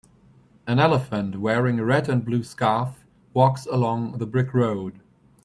An elephant wearing a red and blue scarf walks along the brick road.